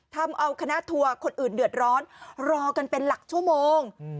ทำเอาคณะทัวร์คนอื่นเดือดร้อนรอกันเป็นหลักชั่วโมง